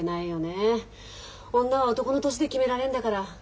え女は男の年で決められんだから。